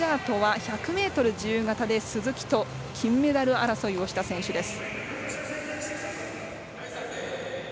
１００ｍ自由形で鈴木と金メダル争いをした選手です。